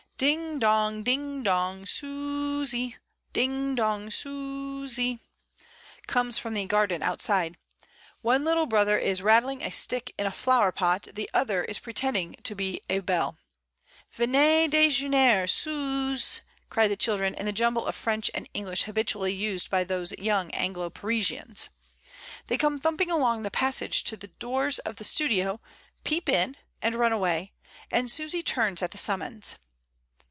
"Ding, dong, ding, dong, Soooosy; ding, dong, Sooosy," comes from the garden outside. One little brother is rattling a stick in a flower pot, the other is pretending to be a bell. "Venez dejeuner, Soooos!" cry the children in the jumble of French and English habitually used by those young Anglo Parisians. They come thumping along the passage to the doors of the studio, peep in, and run away, and Susy turns at the summons.